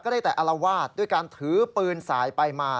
ด้วยการทื้อปืนสายไปมา